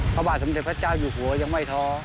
พระบาทสมเด็จพระเจ้าอยู่หัวยังไม่ท้อ